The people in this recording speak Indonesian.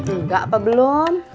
enggak apa belum